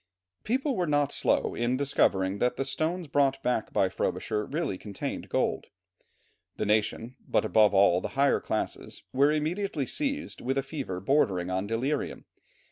People were not slow in discovering that the stones brought back by Frobisher really contained gold. The nation, but above all the higher classes, were immediately seized with a fever bordering on delirium.